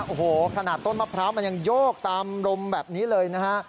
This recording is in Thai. โอ้โหขนาดต้นมะพร้าวมันยังโยกตามรมแบบนี้เลยนะฮะ